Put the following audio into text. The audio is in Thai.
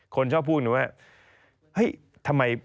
คนชอบพูดกันว่า